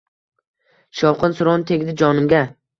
Shovqin-suron tegdi jonimga.